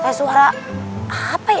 kayak suara apa ya